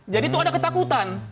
jadi itu ada ketakutan